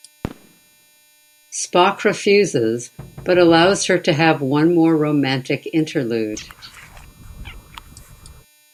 Spock refuses but allows her to have one more romantic interlude.